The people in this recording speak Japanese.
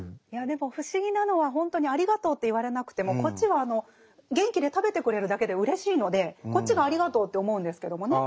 でも不思議なのはほんとにありがとうって言われなくてもこっちは元気で食べてくれるだけでうれしいのでこっちがありがとうって思うんですけどもね。